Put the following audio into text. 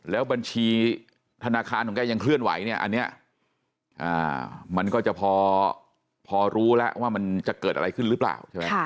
แล้วบัญชีธนาคารของแกยังเคลื่อนไหวเนี่ยอันนี้มันก็จะพอรู้แล้วว่ามันจะเกิดอะไรขึ้นหรือเปล่าใช่ไหม